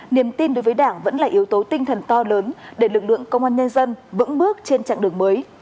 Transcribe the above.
niềm tin đối với đảng vẫn là yếu tố tinh thần to lớn để lực lượng công an nhân dân vững bước trên chặng đường mới